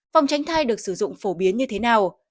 phòng tránh thai được sử dụng phổ biến như thế nào